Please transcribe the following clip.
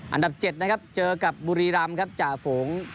อันดับ๗นะครับเจอกับบุรีรำครับจ่าฝูง